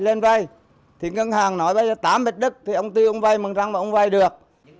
lên vay thì ngân hàng nói tám mét đất thì ông tư vay mừng răng mà ông vay được